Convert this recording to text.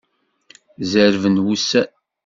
Zerrben wussan.